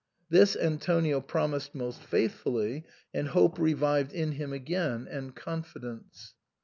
This Antonio promised most faithfully, and hope revived in him again, and confidence.